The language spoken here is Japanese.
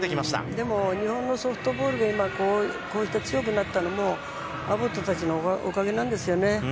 でも日本のソフトボールが今、こうして強くなったのもアボットたちのおかげなんですよね。